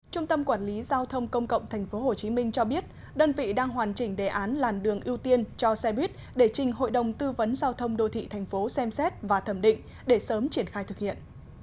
trung tâm quản lý giao thông công cộng tp hcm cho biết đơn vị đang hoàn chỉnh đề án làn đường ưu tiên cho xe buýt để trình hội đồng tư vấn giao thông đô thị tp xem xét và thẩm định để sớm triển khai thực hiện